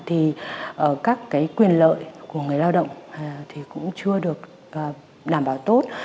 thì các cái quyền lợi của người lao động thì cũng chưa được đảm bảo tốt